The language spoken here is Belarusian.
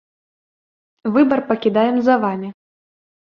Выбар пакідаем за вамі!